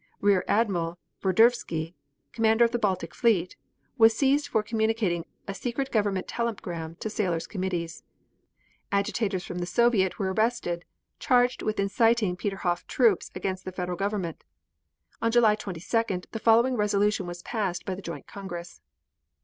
Rear Admiral Verdervski, commander of the Baltic fleet, was seized for communicating a secret government telegram to sailors' committees. Agitators from the Soviet were arrested, charged with inciting the Peterhof troops against the Federal Government. On July 22d, the following resolution was passed by the joint Congress.